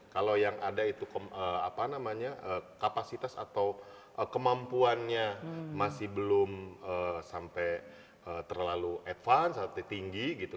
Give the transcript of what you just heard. kalau yang ada itu kapasitas atau kemampuannya masih belum sampai terlalu advance atau tinggi gitu